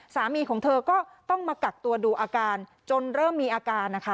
สามีของเธอก็ต้องมากักตัวดูอาการจนเริ่มมีอาการนะคะ